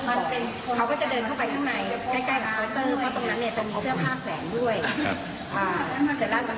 สรุปก็ให้กระเป๋าถูกแล้วในนั้นก็จะมีกระเป๋าสตาร์ทุกอย่าง